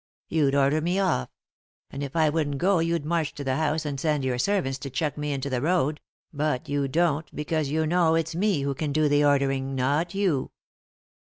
You'd order me off; and if I wouldn't go you'd march to the house, and send your servants to chuck me into the road— but you don't because you know it's me who can do the ordering, not you."